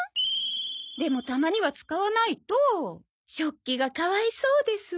でもたまには使わないと「食器がかわいそうですわ」